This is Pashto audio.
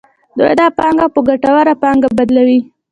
دوی دا پانګه په ګټوره پانګه بدلوي